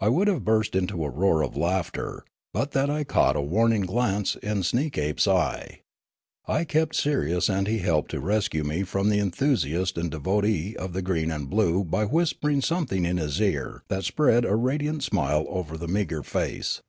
I would have burst into a roar of laughter, but that Meddla 193 I caught a warning glance in Sneekape's e5'e. I kept serious and he helped to rescue me from the enthusiast and devotee of green and blue, by whispering some thing in his ear that spread a radiant smile over the meagre face.